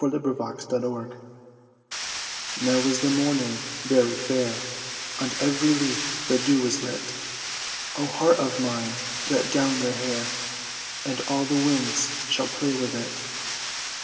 121 TO MELISANDE Now is the morning very fair, On every leaf the dew is lit, Oh heart of mine, let down your hair And all the winds shall play with it.